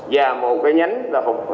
và một cái nhánh là phục